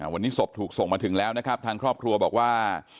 วันนี้ศพถูกส่งมาถึงแล้วนะครับทางครอบครัวบอกว่า